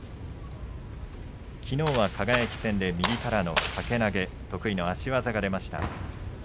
きのうは輝戦、右からの掛け投げ得意の足技が出ました。